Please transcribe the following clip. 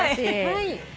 はい。